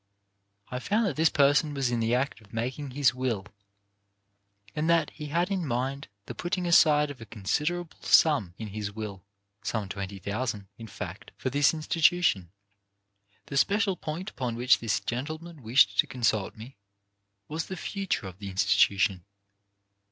I found that this man was in the act of making his will, and that he had in mind the putting aside of a considerable sum in his will — some $20,000, in fact — for this institution. The special point upon which this gentleman wished to consult me was the future of the Institu tion.